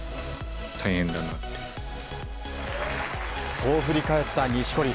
そう振り返った錦織。